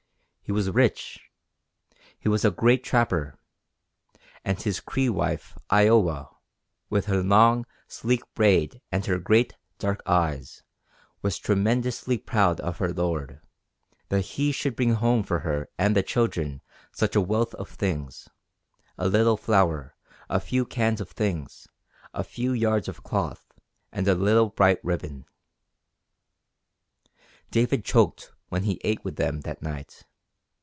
He was rich! He was a great trapper! And his Cree wife I owa, with her long, sleek braid and her great, dark eyes, was tremendously proud of her lord, that he should bring home for her and the children such a wealth of things a little flour, a few cans of things, a few yards of cloth, and a little bright ribbon. David choked when he ate with them that night.